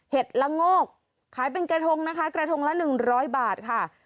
เห็ดละโงกขายเป็นกระทงนะคะกระทงละหนึ่งร้อยบาทค่ะ